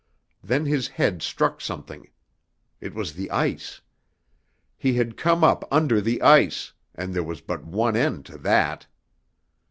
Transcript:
Then his head struck something. It was the ice! He had come up under the ice, and there was but one end to that!